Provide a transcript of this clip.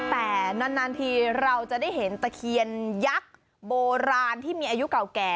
แต่นานทีเราจะได้เห็นตะเคียนยักษ์โบราณที่มีอายุเก่าแก่